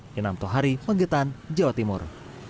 kinam tohari megetan jawa timur